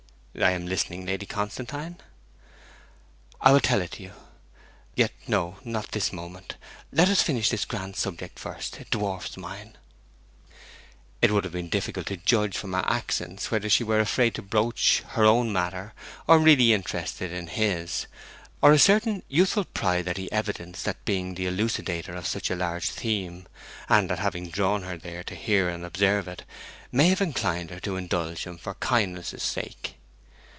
'I am listening, Lady Constantine.' 'I will tell it you. Yet no, not this moment. Let us finish this grand subject first; it dwarfs mine.' It would have been difficult to judge from her accents whether she were afraid to broach her own matter, or really interested in his. Or a certain youthful pride that he evidenced at being the elucidator of such a large theme, and at having drawn her there to hear and observe it, may have inclined her to indulge him for kindness' sake.